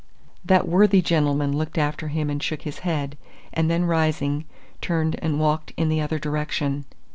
That worthy gentleman looked after him and shook his head, and then rising, turned and walked in the other direction.